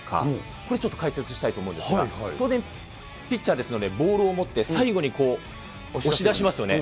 これちょっと解説したいと思うんですが、当然、ピッチャーですのでボールを持って、最後に押し出しますよね。